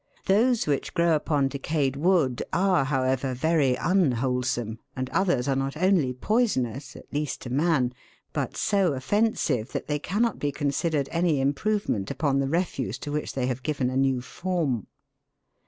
Those which grow upon decayed wood are, however, very unwholesome, and others are not only poisonous, at least to man, but so offensive that they cannot be considered any improvement upon the refuse to which they have given a new form.